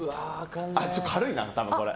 ちょっと軽いな、これ。